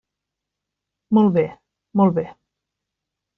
Molt bé, molt bé.